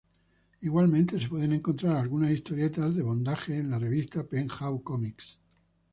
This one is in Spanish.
Igualmente se pueden encontrar algunas historietas de bondage en la revista "Penthouse Comix".